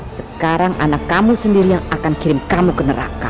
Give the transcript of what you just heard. sekarang anak kamu sendiri yang akan kirim kamu ke neraka